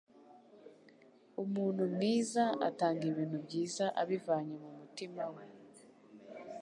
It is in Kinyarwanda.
umuntu mwiza atanga ibintu byiza abivanye mumutima we